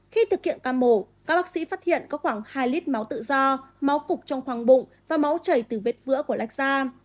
khi thực hiện ca mổ các bác sĩ phát hiện có khoảng hai lít máu tự do máu cục trong khoang bụng và máu chảy từ vết vữa của lách da